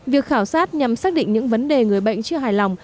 việc khảo sát nhằm xác định những vấn đề người bệnh chưa hài lòng